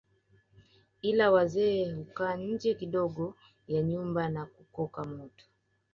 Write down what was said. Ila wazee hukaa nje kidogo ya nyumba na kukoka moto